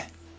oh gitu ya